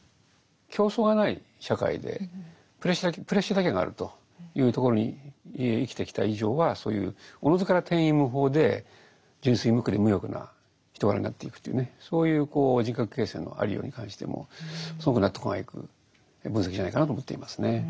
競争がない社会でプレッシャーだけがあるというところに生きてきた以上はそういうおのずから天衣無縫で純粋無垢で無欲な人柄になっていくというねそういう人格形成のありように関してもすごく納得がいく分析じゃないかなと思っていますね。